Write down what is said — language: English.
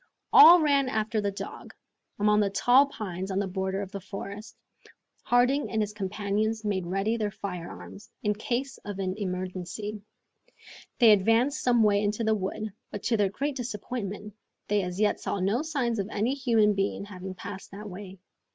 All ran after the dog, among the tall pines on the border of the forest. Harding and his companions made ready their firearms, in case of an emergency. They advanced some way into the wood, but to their great disappointment, they as yet saw no signs of any human being having passed that way.